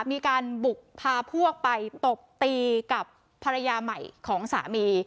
มีการบุกพาพวกไปตบตีกับภรรยาใหม่ของสามี